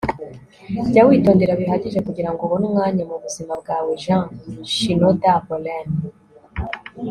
jya witondera bihagije kugirango ubone umwanya mubuzima bwawe - jean shinoda bolen